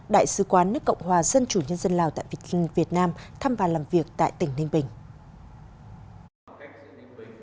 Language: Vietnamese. đại sứ quán nước cộng hòa dân chủ nhân dân lào tại việt nam thăm và làm việc tại tỉnh ninh bình